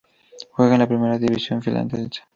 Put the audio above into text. Juega en la Primera División finlandesa.